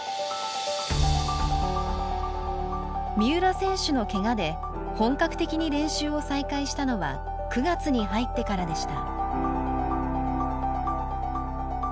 三浦選手のけがで本格的に練習を再開したのは９月に入ってからでした。